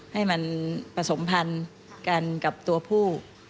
ให้มันผสมพันธุ์กันกับตัวผู้